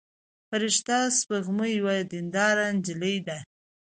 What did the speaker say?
فرشته سپوږمۍ یوه دينداره نجلۍ ده.